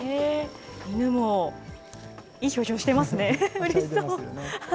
犬もいい表情してますね、うれしそう。